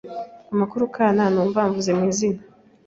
Amakuru kana, numva amvuze mu izina